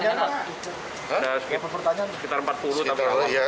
ada apa apa kaitannya